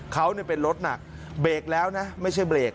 เขาเป็นรถหนักเบรกแล้วนะไม่ใช่เบรก